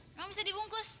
emang bisa dibungkus